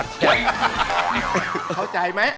เข้าใจมั้ย